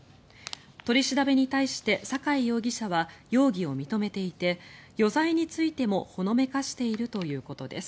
取り調べに対して、酒井容疑者は容疑を認めていて余罪についてもほのめかしているということです。